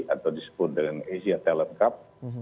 atau disebut dengan asia talent cup